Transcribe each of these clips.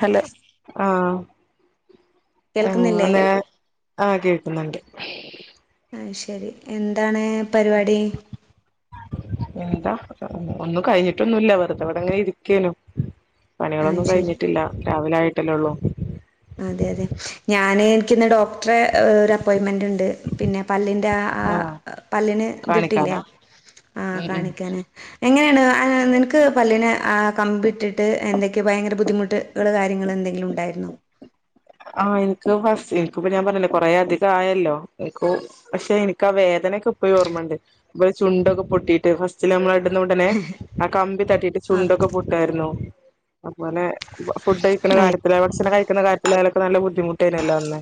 Hello ആഹ് ആഹ് കേൾക്കുന്നില്ലേ അതേ ആഹ് കേൾക്കുന്നുണ്ട് അയ് ശരി. എന്താണ് പരിപാടി? എന്താ ഒന്നും കഴിഞ്ഞിട്ടൊന്നുമില്ല, വെറുതെ ഇവിടെ അങ്ങനെ ഇരിക്കേനു. ആ പണികളൊന്നും ശരി കഴിഞ്ഞിട്ടില്ല. രാവിലെ ആയിട്ടല്ലേ ഉള്ളൂ. അതെ അതെ. ഞാന് എനിക്കിന്ന് ഡോക്ടറെ ഒരു അപ്പോയിൻറ്മെന്റ് ഉണ്ട്, പിന്നെ പല്ലിൻ്റെ ആ ആഹ് പല്ലിന് ഇതിട്ടില്ലേ, കാണിക്കാനാ ആഹ് ഉം ഉം കാണിക്കാന് എങ്ങനെയാണ് നിനക്ക് പല്ലിന് കമ്പി ഇട്ടിട്ട് എന്തൊക്കെയാ ഭയങ്കര ബുദ്ധിമുട്ട് കള് കാര്യങ്ങള് എന്തെങ്കിലും ഉണ്ടായിരുന്നോ? ആഹ് എനിക്ക് ഫസ്റ്റ് എനിക്കിപ്പം ഞാൻ പറഞ്ഞില്ലേ കൊറേ അധികം ആയല്ലോ എനിക്ക് പക്ഷെ എനിക്ക് ആ വേദനയൊക്കെ ഇപ്പഴും ഓർമ്മയുണ്ട്, ഇവിടെ ചുണ്ടൊക്കെ പൊട്ടിയിട്ട് ഫസ്‌ റ്റില് നമ്മള് ഇടുന്ന ഉടനെ ആ കമ്പി തട്ടിയിട്ട് ആ ചുണ്ടൊക്കെ പൊട്ടായിരുന്നു അതുപോലെ ഫുഡ് കഴിക്കണ ആ കാര്യത്തില്, ഭക്ഷണം കഴിക്കുന്ന കാര്യത്തില്, അതിലൊക്കെ നല്ല ബുദ്ധിമുട്ട്നല്ലേ അന്ന്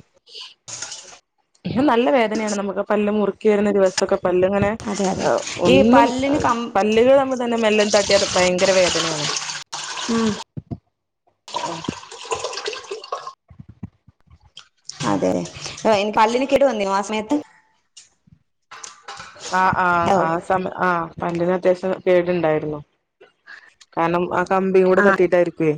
നല്ല വേദനയാണ് നമുക്ക്, പല്ല് മുറുക്കി വരുന്ന ദിവസമൊക്കെ പല്ലിങ്ങനെ, അതെ അതെ ഈ ഒന്നും പല്ലിന് കം പല്ലുകൾ തമ്മി തന്നെ മെല്ലും തട്ടിയാ അത് ഭയങ്കര വേദനയാണെ ഉം ആഹ് അതെ [unintelligible] പല്ലിന് കേട് വന്നിരുന്നോ ആ സമയത്ത് ആഹ് ആഹ് ഓ ആ സമയം ആഹ് പല്ലിന് അത്യാവശ്യം കെടുണ്ടായിരുന്നു കാരണം ആ കമ്പിം കൂടെ ആ തട്ടീട്ടായിരിക്കുവേ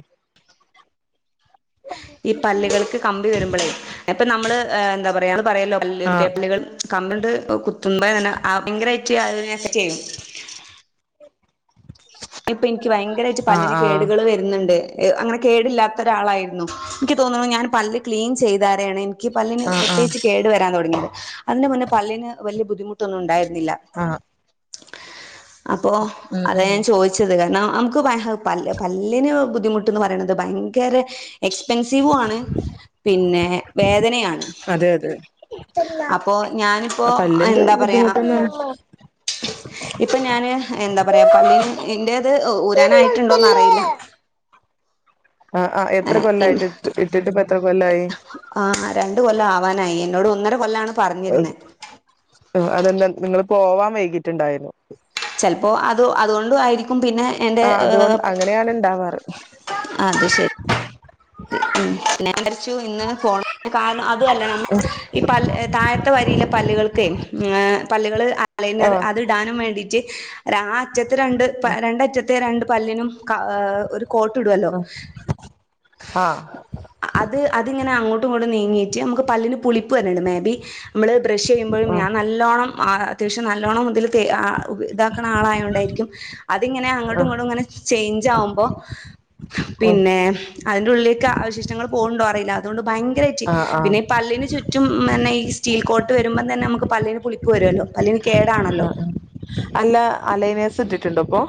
ഈ പല്ലുകൾക്ക് കമ്പി വരുമ്പോളേ ഇപ്പം നമ്മള് എന്താ പറയുക, നമ്മള് പറയല്ലോ ആഹ് പല്ല് [unintelligible] കമ്പികൊണ്ട് കുത്തുമ്പോ തന്നെ ഭയങ്കരമായിട്ട് അതിനെ അഫക്‌റ്റ് ചെയ്യും ഇപ്പൊ എനിക്ക് ഭയങ്കരമായിട്ട് പല്ലിന് ആഹ് കേടുകള് വര- ന്നുണ്ട്. അങ്ങനെ കേടില്ലാത്ത ഒരാളായിരുന്നു. എനിക്ക് തോന്നണു ഞാൻ പല്ല് ക്ലീൻ ചെയ്താതെയാണ് ക്ക് പല്ലിന് ആഹ് പ്രത്യേകിച്ച് കേടു വരാൻ തുടങ്ങിയത്. അതിന്റെ മുന്നേ പല്ലിന് വലിയ ബുദ്ധിമുട്ടൊന്നും ഉണ്ടായിരു ന്നില്ല. ആഹ് അപ്പൊ ഉം അതാ ഉം ഞാൻ ചോദിച്ച ച്ചത്, കാരണം നമുക്ക് പ പല്ലിന് ബുദ്ധിമുട്ട്ന്ന് പറയണത് ഭയങ്കര എക്സ്പെൻസീവും ആണ് പിന്നെ വേദനയാണ് അതെ അതെ അപ്പൊ ഞാനിപ്പോ പല്ലിന്റെ എന്താ പറയാ ബുദ്ധിമുട്ടൊന്നും ഇപ്പൊ ഞാന് എന്താ പറയാ പല്ലിന് എന്റേത് ഊരാനായിട്ടുണ്ടോന്ന് അറിയില്ല ആഹ് ആഹ് എത്ര കൊല്ലായിട്ട് ഇട്ട് ഇട്ടിട്ട് ഇപ്പ എത്ര കൊല്ലായി ആഹ് രണ്ട് കൊല്ലം ആവാനായി. എന്നോട് ഒന്നര കൊല്ലമാണ് അതെന്താ നിങ്ങള് പോവാൻ വൈകിട്ടുണ്ടായിരുന്നോ? ചെലപ്പോൾ അത് അതുകൊണ്ടുമായിരിക്കും പിന്നെ എന്റെ ആഹ് അതുകൊണ്ട് അങ്ങനെയാണ് ഇണ്ടാവാറ് ആഹ് അത് ശരി രി. ഉം. ഞാൻ വിചാരിച്ചു ഇന്ന് ഫോണ് [inaudible] കാരണം അതുമല്ല നമ്മള് ഈ പല്ല് താഴത്തെ വരിയിലെ പല്ലുകൾക്കേ പല്ലുകള് ആ അലൈനറ് അ ത് ഇടാനും വേണ്ടിട്ട് ആ അറ്റത്തെ രണ്ട് രണ്ടറ്റത്തെ രണ്ട് പല്ലിനും ക ഒരു കോട്ടിടുവ ല്ലോ ആഹ് അത് അതിങ്ങനെ അങ്ങോട്ടും ഇങ്ങോട്ടും നീങ്ങീയിട്ട് നമുക്ക് പല്ലിന് പുളിപ്പ് വരണുണ്ട് മേബി നമ്മള് ബ്രഷ് ചെയ്യുമ്പോഴും ഞാൻ നല്ലോണ്ണം അത്യാവശ്യം നല്ലോണ്ണം അതില് തേ ഇതാക്കണ ആളായോണ്ടായിരിക്കും അതിങ്ങനെ ആ ഉം അങ്ങോട്ടും ആ ഇങ്ങോട്ടും ഇങ്ങനെ ചേഞ്ച് ആവുമ്പോ ഉം പിന്നെ അതിന്റെ ഉള്ളിലേക്ക് അവശിഷ്ടങ്ങൾ പോകണ്ടോ അറിയില്ല അതുകൊണ്ട് ഭയങ്കരറ്റ് ആ ആ പിന്നെ ഈ പല്ലിന് ചുറ്റും പിന്നെ ഈ സ്റ്റീൽ കോട്ട് വരുമ്പം തന്നെ നമുക്ക് പല്ലിന് പുളിപ്പ് വരുമല്ലോ പല്ലിന് കേടാണല്ലോ ആ അല്ല അലൈനസ് ഇട്ടിട്ടുണ്ടോ അപ്പൊ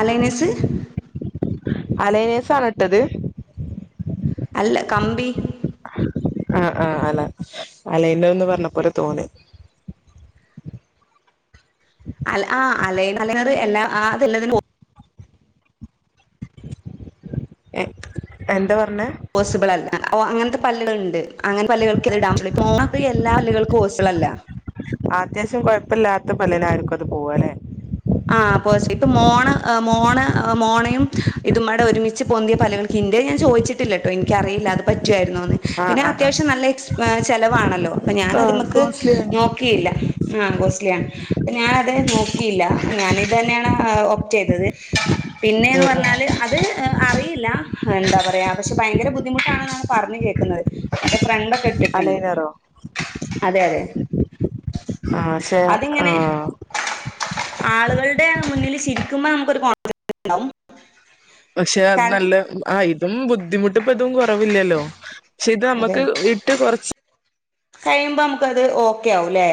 അലൈനസ് അലൈനസ്ആണോഇട്ടത് അല്ല കമ്പി ആഹ് ആഹ് അല അലയനർ എന്ന് പറഞ്ഞ പോലെ തോന്നി അഹ് അലൈനറ് അല എല്ലാത്തിന് പോ എ എന്താ പറഞ്ഞേ പോസിബിൾ അല്ല ഓ അങ്ങനത്തെ പല്ലുകൾ ഉണ്ട് അങ്ങനത്തെ പല്ലുകൾക്ക് ഇത് ഇടാൻ പറ്റില്ല അത് എല്ലാ പല്ലുകൾക്കും പോസിബിൾ അല്ല അത്യാവശ്യം കൊഴപ്പില്ലാത്ത പല്ലിനായിരിക്കും അത് പോവല് ആ അപ്പോ ശരിക്കും മോണ മോണ മോണയും ഇതുംമായിട്ട് ഒരുമിച്ച് പൊന്തിയ പല്ലുകള് ഹിന്റെ ഞാൻ ചോദിച്ചിട്ടില്ല കേട്ടോ എനിക്കറിയില്ല അത് പറ്റുമായിരുന്നോന്ന് ആ പിന്നെ ആ ആ അത്യാവശ്യം നല്ല ചെലവാണല്ലോ അപ്പൊ ഞാൻ ആ അത് മേക്ക് കോസ്റ്റ്ലി ആണ് നോ നോക്കിയില്ല ആഹ് കോസ്ലി ആണ് അപ്പ ഞാനത് നോക്കിയില്ല ഞാനിത് തന്നെയാണ് ഓപ്റ്റ് ചെയ്തത് പിന്നെയെന്ന് ഉം പറഞ്ഞാല് ഉം അത് അറിയില്ല എന്താ പറയാ അത് അറിയില്ല എന്താ പറയ പക്ഷെ ഭയങ്കര ബുദ്ധിമുട്ടാണെന്നാണ് പറഞ്ഞു കേൾക്കുന്നത് എന്റെ ഫ്രണ്ട് ഒക്കെ ഇട്ടിട്ടുണ്ട് അലൈനറോ അതെ അതെ ആക്ഷേ അതിങ്ങനെ ആഹ് ആളുകളുടെ മുന്നിൽ ചിരിക്കുമ്പോ നമുക്കൊരു കോൺഫിഡൻസ് ഉണ്ടാവും പക്ഷെ അത് നല്ല ആ ഇതും ബുദ്ധിമുട്ട് ഇപ്പ ഇതും കുറവില്ലല്ലോ പക്ഷെ ഇത് നമ്മുക്ക് ഇട്ട് കുറച്ച് കഴിയുമ്പോൾ നമുക്കത് ഓക്കെ ആവും അല്ലേ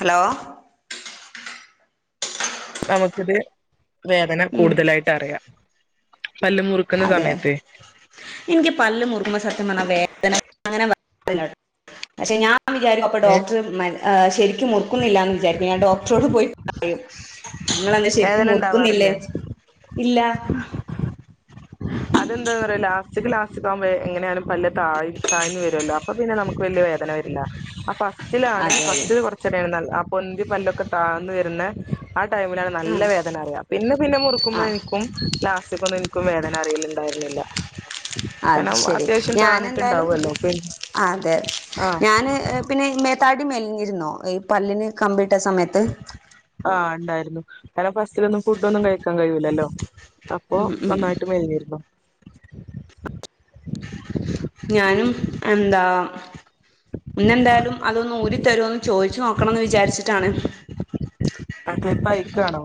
ഹലോ നമുക്കിത് വേദന ഉം കൂടുതലായിട്ട് അറിയാം പല്ല് മുറുക്കുന്ന അതെ സമയത്ത് എനിക്ക് പല്ല് മുറുകുമ്പം സത്യം പറഞ്ഞാൽ വേദന അങ്ങനെ പക്ഷെ ഞാൻ വിചാരിക്ക ഇപ്പൊ ഏ ഡോക്ടർ ശരിക്കും മുറുക്കുന്നില്ലാന്ന് വിചാരിക്ക ഞാൻ ഡോക്ടറോട് പോയി പറയും നിങ്ങളെന്താ ശരിക്കും വേദന മുറുക്കുന്നില്ലേ ഉണ്ടാവാറില്ലേ ഇല്ല അതെന്താ പറയലാ [unintelligible] എങ്ങനെയാലും പല്ല തഴ താഴ്ന്ന് വരുമല്ലോ. അപ്പൊ പിന്നെ നമുക്ക് വലിയ വേദന വരില്ല അപ്പ ഫസ്റ്റിലാണ് അതെ അതെ ഫസ്റ്റ് കുറച്ചുടെയാണ് ന ആ പൊന്തി പല്ലൊക്കെ താഴന്ന് വരുന്ന ആ ടൈമിലാണ് നല്ല വേദന അറിയുക. പിന്നെ പിന്നെ ആ ആ മുറുക്കുമ്പഴേക്കും ലാസ്റ്റിലേക്കൊന്നു എനിക്കും വേദന അറിയിലുണ്ടായിരുന്നില്ല അത് ശരി ഞാനെന്തായാലും പി അതെ ആഹ് ഞാൻ പിന്നെ ഇതുമെകാട്ടി മെലിഞ്ഞിരുന്നോ ഈ പല്ലിന് കമ്പീ ഇട്ട സമയത്ത് ആഹ് ഉണ്ടായിരുന്നു. കാരണം ഫസ്റ്റിലൊന്നും ഫുഡ് ഒന്നും കഴിക്കാൻ കഴിയൂലല്ലോ. അപ്പോ ഉം ഉം നന്നായിട്ട് മെലിഞ്ഞിരുന്നു. ഞാനും എന്താ പിന്നെന്തായാലും അതൊന്ന് ഊരി തരുമോന്ന് ചോദിച്ചു നോക്കണംന്ന് വിചാരിച്ചിട്ടാണ് ആട്ടെ ഇപ്പ അയക്കയാണോ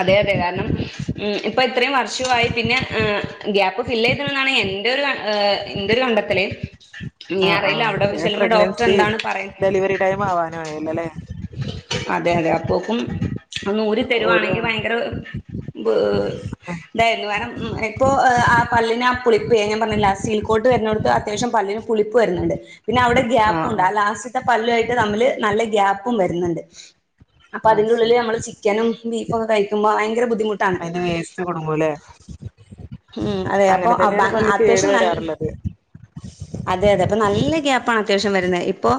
അതേ അതേ കാരണം ഉം ഇപ്പൊ ഇത്രയും വർഷമായി പിന്നെ ഗ്യാപ്പ് ഫില്ല് ചെയ്തിന്നാണ് എന്റെ ഒരു ഏഹ് എന്റെ ഒരു കണ്ടെത്തല് ഇനി ആഹ് അറിയില്ല അവിടെ ആഹ് ചെല്ലുമ്പോ ഡോക്ടർ പ്രഗ്നൻസി എന്താണ് പറയ ഡെലിവറി ടൈം ആവാനയാല്ലോല്ലേ അല്ലേ അതെ അതെ അപ്പോക്കും അന്ന് ഊരി ഒരു തരുവാണെങ്കിൽ ഭയങ്കര ആഹ് ഇതായിരുന്നു കാരണം ഇപ്പോ ആഹ് പല്ലിനാ പുളിപ്പേ ഞാൻ പറഞ്ഞില്ലേ സീറ്റിൽക്കോട്ട് വരുന്ന കൊണ്ട് അത്യാവശ്യം പല്ലിനും പുളിപ്പ് വരുന്നുണ്ട് പിന്നെ അവിടെ ഗ്യാപ്പും ഉണ്ട് ആഹ് ലാസ്റ്റത്തെ പല്ലു ആയിട്ട് തമ്മില് നല്ല ഗ്യാപ്പും വരുന്ന്ണ്ട് അപ്പ ആഹ് അതിന്റെ ഉള്ളില് ശരി നമ്മള് ചിക്കനും, ബീഫും ഒക്കെ കഴിക്കുമ്പോ ഭയങ്കര ബുദ്ധിമുട്ടാണ് കുടുങ്ങുല്ലേ ഉം അതെ അപ്പൊ അങ്ങനെ തന്നെണ് പല്ല് കേട് അത്യാവശ്യം നല്ല വരാറുള്ളത് അതെ അതെ അപ്പ നല്ല ഗ്യാപ്പാണ് അത്യാവശ്യം വരുന്നെ ഇപ്പൊ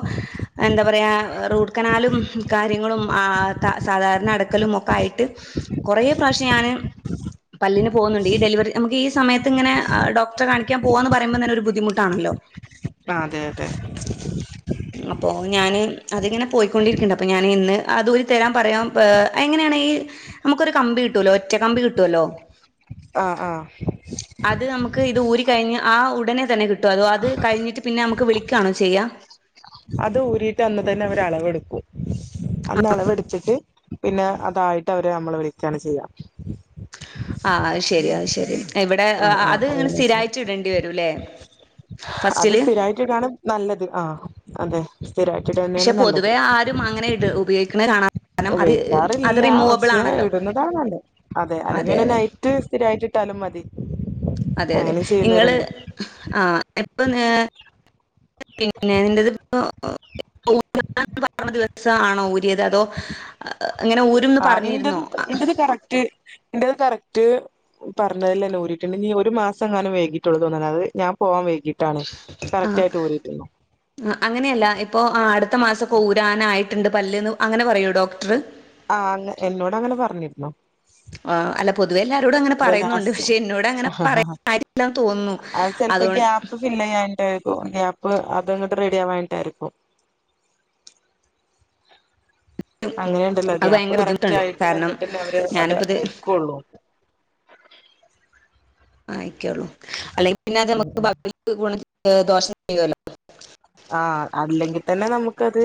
എന്താ പറയാ റൂഡ് കനാലും കാര്യങ്ങളും ആഹ് സാധാരണ അടക്കലും ഒക്കെ ആയിട്ട് കോറേ പ്രാവശ്യം ഞാന് പല്ലിന് പോവുന്നുണ്ട് ഈ ഡെലിവറി നമ്മക്ക് ഈ സമയത്ത് ഇങ്ങനെ ഡോക്ടറെ കാണിക്കാൻ പോവാന്ന് പറയുമ്പോ തന്നെ ഒരു ബുദ്ധിമു ആണല്ലോ ആഹ് അതെ അതെ അപ്പോ ഞാന് അതിങ്ങനെ പോയിക്കൊണ്ടിരിക്ക്ണ്ട് അപ്പോ ഞാന് ഇന്ന് അതൂരി തരാൻ പറയാം ഏഹ് എങ്ങനെണ് ഈ അമ്മക്കൊരു കമ്പി കിട്ടുലോ ഒറ്റ കമ്പി കിട്ടുലോ ആഹ് ആഹ് അത് അമ്മക്ക് ഇത് ഊരി കഴിഞ്ഞ് ആഹ് ഉടനെ തന്നെ കിട്ടോ അതോ അത് കഴിഞ്ഞിട്ട് പിന്നെ നമ്മക്ക് വിളിക്കണോ ചെയ്യാ? അത് ഊരിട്ട് അന്ന് തന്നെ അവര് അളവെടുക്കും അന്ന് അളവെടുത്തിട്ട് പിന്നെ അതായിട്ട് അവര് അമ്മളെ വിളിക്കാണ് ചെയ്യാ ആഹ് അത് ശെരി അത് ശെരി ഇവടെ ആഹ് ആഹ് അത് ഇങ്ങനെ അങ്ങനെ ശരി സ്ഥിരായിട്ട് ഇടേണ്ടി വരൂല്ലേ ഫസ്റ്റില് [unintelligible] നല്ലത് ആഹ് അതെ പക്ഷെ സ്ഥിരായിട്ടിടന്നെയാണ് നല്ലത് പൊതുവേ ആരും അങ്ങനെ ഇട് ഉപയോഗിക്ക്ണ കാണാ കാരണം അത് അത് ഉപയോഗിക്കാറില്ല റിമൂവബിൾ പക്ഷെ ആണല്ലോ ഇടുന്നതാണ് നല്ലത് അതെ അല്ലെങ്കി പിന്നെ നൈ റ്റ് സ്ഥിരായിട്ട് ഇട്ടാലും മതി അതെ അതെ അങ്ങനെ ഇങ്ങള് ചെയ്യുന്നവരുണ്ട് ആഹ് എപ്പൊന്നെ പിന്നെ ഇന്റത് ഇപ്പോ [unintelligible] പറഞ്ഞ ദിവസാണോ ഊരിയത് അതോ അങ്ങനെ ഊരുംന്ന് പർഞ്ഞിരുന്നോ? റ്റ് ഇന്റത് കറക്റ്റ് പർഞ്ഞതില്ലന്നെ ഊരിട്ട്ണ്ട് ഇഞ് ഈ ഒരു മാസങ്ങാനം വൈകിട്ടോള്ളു തോന്ന്ണ് അത് ഞാൻ പോവാൻ വൈകി ട്ടാണ് കറക്റ്റായിട്ട് ഊരിട്ട് ആഹ് അങ്ങനെ അല്ല ഇപ്പൊ അടുത്ത മാസക്കെ ഊരാനായിട്ട്ണ്ട് പല്ല്ന്ന് അങ്ങനെ പറയോ ഡോക്ടറ്? ആഹ് ആണ് എന്നോട് അങ്ങനെ പറഞ്ഞിര്ന്നു ആഹ് അല്ല പൊതുവെ എല്ലാരോടും അങ്ങനെ പറയുന്നുണ്ട് പക്ഷെ എന്നോട് അങ്ങനെ ലാസ്റ്റ് പറയുന്ന [unintelligible] തോന്നുന്നു അത് ചിലപ്പോ അതുകൊ ഗ്യാപ്പ് ഫില്ല് ചെയ്യാനിട്ടായിരിക്കും ഗ്യാപ്പ് അതങ്ങട്ട് റെഡി ആവാനിട്ടായിരിക്കും അങ്ങനെയുണ്ടല്ലോ അത് ഗ്യാപ്പ് ഭയങ്കര കറക്റ്റ് ബുദ്ധിമുട്ടാണ് ആയിട്ട് കാരണം വന്നിട്ടല്ലേ അവര് അത് ഞാനിപ്പ ഇത് അയക്കുള്ളൂ ആയിക്കുള്ളൂ അല്ലെങ്കി പിന്നെ അത് ഉം ഉം [unintelligible] [unintelligible] ദോഷം ചെയ്യുല്ലോ ആഹ് അല്ലെങ്കി തന്നെ നമുക്കത്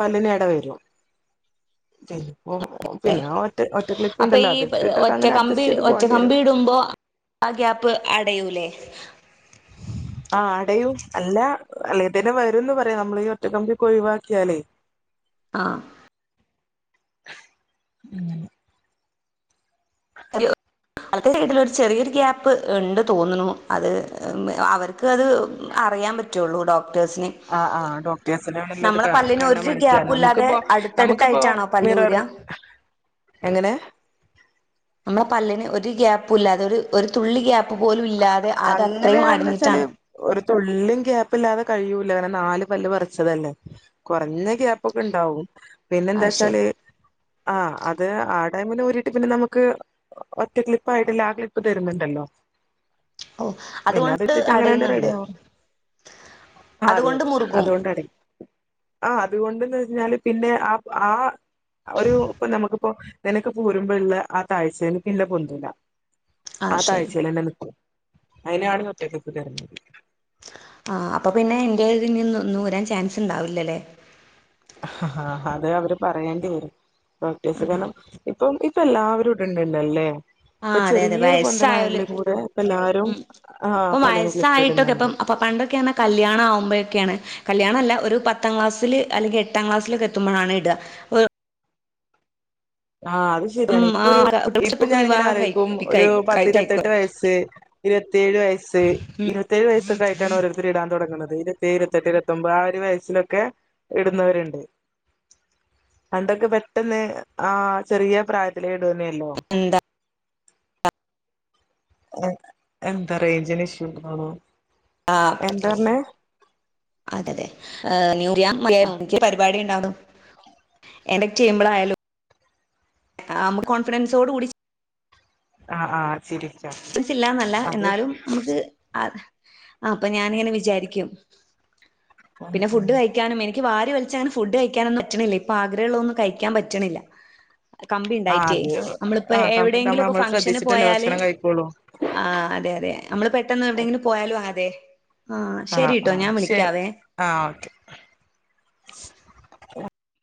പല്ലിന് എട വരും പിന്നെപ്പോ പിന്നെ ആഹ് ഒറ്റ ഒറ്റ അപ്പൊ ക്ലിപ്പ്ണ്ടല്ലോ ഈ അത് ഏഹ് ഇട്ടിട്ടൊക്കെ ഒറ്റ അങ്ങനെ അഡ്ജസ്റ്റ് ചെയ്ത് പോകേണ്ടി വെരും ഇടുമ്പോ ആഹ് ഗ്യാപ്പ് അടയൂലേ? ആഹ് അടയും അല്ല അല്ലെ തന്നെ വേരുംന്ന് പറയും നമ്മള് ഈ ഒറ്റ കമ്പിക്കെ ഒഴിവാക്കിയാലേ [inaudible] ആഹ് ഉം [unintelligible] ചെറിയൊരു ഗ്യാപ്പ് ഇണ്ട് തോന്ന്ണു അത് അവർ അത് അറിയാൻ പറ്റുള്ളൂ ഡോക്ടേഴ്സിന്. ആഹ് ആഹ് ഡോക്ടേഴ്സിനാണല്ലോ അത് നമ്മളെ പല്ലിന് കണ്ടാ ഒരു മനസ്സിലാ ഗ്യാപ്പും ഇല്ലാതെ നമുക്കിപ്പോ നമുക്കിപ്പോ അടുത്തടുത്തായിട്ടാണോ പല്ല് മിററിൽ ഊരുക എങ്ങനെ? നമ്മളെ പല്ലിന് ഒരു ഗ്യാപ്പുല്ലാതെ ഒരു ഒരു തുള്ളി ഗ്യാപ്പ് പോലും ഇല്ലാതെ അത് അത്രയും അങ്ങനെയാന്ന് വെച്ചാല് അടഞ്ഞിട്ടാണ്. ഒരു തുണ്ള്ളിം ഗ്യാപ്പ് ല്ലാതെ കഴിയൂല. ങ്ങനെ നാല് പല്ല് പറച്ചതല്ലേ. കുറഞ്ഞ ഗ്യാപ്പൊക്കെ ണ്ടാവും. പിന്നെ ആ ശരി ന്താച്ചാല് ആഹ് അത് ആടൈമില് ഊരിട്ട് പിന്നെ നമുക്ക് ഒറ്റ ക്ലിപ്പായിട്ടില്ല. ആ ക്ലിപ്പ് തരുന്നുണ്ടല്ലോ ഓ പിന്നെത് അതുകൊണ്ട് ഇട്ടിട്ട് അങ്ങനെണ്ട് റെഡി അടയുന്നുണ്ട് ആവും. ആഹ് അതെ അതുകൊണ്ട് അതെ മുറുകും അതുകൊണ്ടടെ ആഹ് അതുകൊണ്ടന്ന് റഞ്ഞാല് പിന്നെ ആഹ് ആഹ് ഒരു ഇപ്പൊ നമുക്ക് അപ്പൊ നിനക്ക് പോരുമ്പോള്ള ആ താഴ്ചന് പിന്ന പൊന്തൂല. ആ താഴ്‌ചെൽതന്നെ നിൽ അയിനാണ് ഒറ്റക്കൊക്കെ തരുന്നത്. ആഹ് അപ്പൊ പിന്നെ ഇൻ്റേ ഇതിനിന്നൂരാൻ ചാൻസ്ണ്ടാവൂല്ലല്ലേ? അഹഹാഹ് അതേ അവര് പറയേണ്ടി വരും. പ്രോക്ടീസ് കാരണം പ്പം ഇപ്പം എല്ലാവരും ഇട്ണ്ടെല്ലോലെ ആ പ്പൊ അതെ അതെ ചെറിയൊര് വയസ്സായോല് പൊന്തലാണെങ്കിലുങ്കൂടെ ഇപ്പെല്ലാരും ഉം ആഹ് പല്ലിന് ക്ലിപ്പ്ട്ന്ന്ണ്ട്. പ്പോ പണ്ടൊക്ക്യാന്നേ കല്യാണാവുമ്പയൊക്ക്യാണ്. കല്യാണല്ല ഒരു പത്താം ക്ലാസ്സില് അല്ലെങ്കീ എട്ടാം ക്ലാസ്സിലൊക്കെ എത്തുമ്പളാണ് ഇടാ. ആഹ് അത് ഉം ശെര്യാണ്. ഇപ്പൊ ആ ഒരു ഇപ്പൊ സ്റ്റെപ്പൊക്കെ ഞാനിങ്ങനെ വിവാഹം ആലോയ്ക്കും കഴിപ്പി ഒരു കഴി കഴിക്കു പത്തിരത്തെട്ട് വയസ്സ് ഇരത്തേഴ് വയസ്സ്, ഉം ഇരത്തേഴ് വയസ്സൊക്കായിട്ടാണ് ഓരോര്ത്തര് ഇടാൻ തൊടങ്ങ്ണത്. ഇത് - ഇരത്തെഴ്, ഇരത്തെട്ട്, ഇരത്തൊമ്പത് ആ ഒരു വയസ്സിലൊക്കെ ഇടുന്നവര്ണ്ട്. പണ്ടൊക്കെ പെട്ടെന്ന് ആഹ് ചെറിയ പ്രായത്തിലേ ഇടേന്യല്ലോ. എന്താ എ എന്താ റേഞ്ചിന് ഇഷ്യൂണ്ട് തോന്നുനു. ആഹ്. എന്താർഞ്ഞേ? അതെ തെ ഏ ന്യൂറിയ ആ മലയാളി പര്പാടിണ്ടാർന്നു, എഡിറ്റ് യ്യുമ്പളയാലും ആഹ് മ്മക്ക് കോൺഫിഡൻസോട് കൂടി ആഹ് ആഹ്. സിരിട്ടാ ദിച്ചിട്ടില്ല എന്നല്ല. എന്നാലും നമുക്ക് ആഹ് അപ്പൊ ഞാനിങ്ങനെ വിചാരിക്കും. പിന്നെ ഫുഡ് കഴിക്കാനും എനിക്ക് വാരി വലിച്ചങ്ങനെ ഫുഡ് കഴിക്കാനൊന്നു പറ്റണില്ല. ഇപ്പൊ ആഗ്രഹെള്ളതൊന്നും കഴിക്കാൻ പറ്റ്ണില്ല. ആഹ് കമ്പിണ്ടായിറ്റേ അത് അമ്മള്പ്പോ എവിടേങ്കിലൊക്കെ ഫംഗ്ഷന് പോയാല് ഇപ്പൊളും ആഹ് അതെ അതെ അമ്മള് പെട്ടെന്നെവ്ടെങ്കിലും പോയാലും. ആഹ് അതെ. ആഹ് ശെരിട്ടോ ആഹ് ഞാൻ ശെ വിളിക്കാവേ. ആഹ് ഓക്കെ.